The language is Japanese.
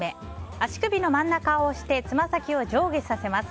足首の真ん中を押してつま先を上下させます。